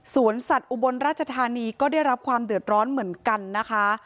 สวนสัตว์อุบลราชธานีก็ได้รับความเดือดร้อนเหมือนกันนะคะ